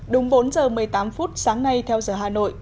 đúng bốn giờ một mươi tám phút sáng nay theo giờ hà nội